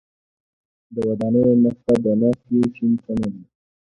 د ودانیو مخ ته د ناستي شین چمن و.